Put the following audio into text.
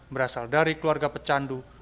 suara suara kalau lagi berpengaruh